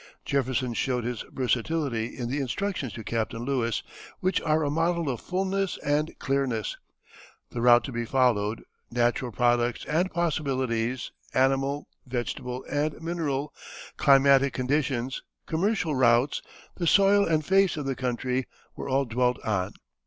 Jefferson showed his versatility in the instructions to Captain Lewis, which are a model of fulness and clearness. The route to be followed, natural products and possibilities animal, vegetable, and mineral climatic conditions, commercial routes, the soil and face of the country, were all dwelt on.